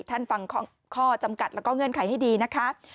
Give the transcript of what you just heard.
ท่านฟังข้อจำกัดแล้วก็เงื่อนไขให้ดีนะคะ